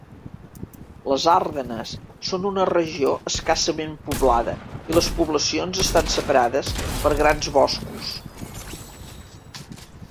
Les Ardenes són una regió escassament poblada i les poblacions estan separades per grans boscos.